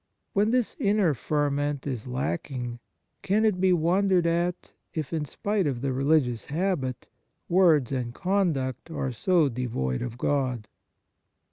When this inner ferment is lacking, can it be wondered at, if, in spite of 89 On Piety the religious habit, words and conduct are so devoid of God